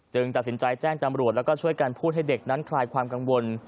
ตัดสินใจแจ้งตำรวจแล้วก็ช่วยกันพูดให้เด็กนั้นคลายความกังวล